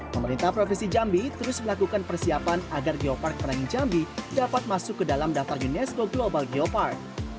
pemerintah profesi jambi terus melakukan persiapan agar gawapak merangin jambi dapat masuk ke dalam daftar unesco global gawapak